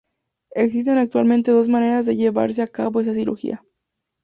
Existen actualmente dos maneras de llevarse a cabo esa cirugía.